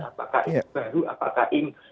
apakah ini baru apakah ini